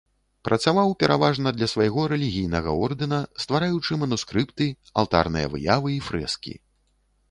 Працаваў, пераважна, для свайго рэлігійнага ордэна, ствараючы манускрыпты, алтарныя выявы і фрэскі.